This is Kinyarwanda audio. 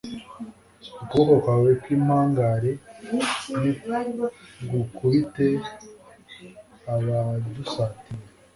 ukuboko kwawe kw'impangare nigukubite abadusatira